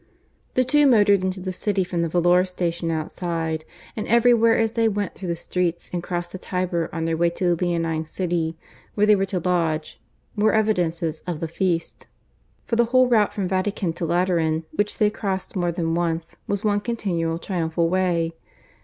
The two motored into the city from the volor station outside, and everywhere as they went through the streets and crossed the Tiber on their way to the Leonine City, where they were to lodge, were evidences of the feast. For the whole route from Vatican to Lateran, which they crossed more than once, was one continual triumphal way.